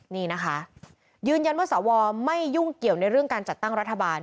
นี่นะคะยืนยันว่าสวไม่ยุ่งเกี่ยวในเรื่องการจัดตั้งรัฐบาล